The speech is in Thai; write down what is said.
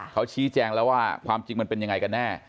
เขาชี้แจงแล้วว่าความจริงมันเป็นยังไงกันแน่